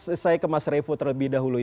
saya ke mas revo terlebih dahulu